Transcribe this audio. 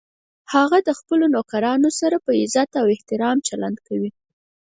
هغه د خپلو نوکرانو سره په عزت او احترام چلند کوي